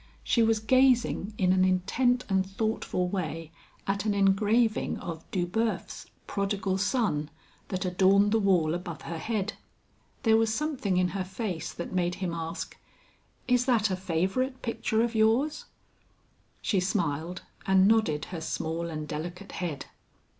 She was gazing in an intent and thoughtful way at an engraving of Dubufe's "Prodigal Son" that adorned the wall above her head. There was something in her face that made him ask: "Is that a favorite picture of yours?" She smiled and nodded her small and delicate head.